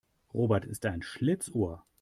Robert ist ein Schlitzohr.